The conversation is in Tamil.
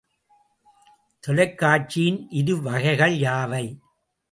தொலைக்காட்சியின் இரு வகைகள் யாவை?